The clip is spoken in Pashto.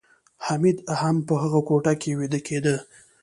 حمید هم په هغه کوټه کې ویده کېده